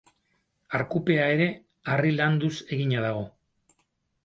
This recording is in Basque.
Arkupea ere harri landuz egina dago.